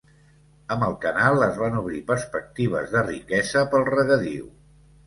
Amb el canal es van obrir perspectives de riquesa pel regadiu.